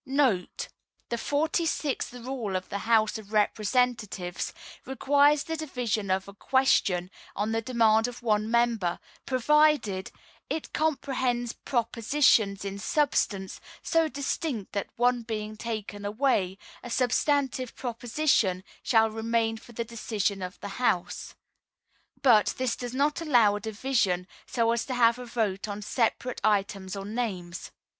* [The 46th Rule of the House of Representatives requires the division of a question on the demand of one member, provided "it comprehends propositions in substance so distinct that one being taken away, a substantive proposition shall remain for the decision of the House." But this does not allow a division so as to have a vote on separate items or names.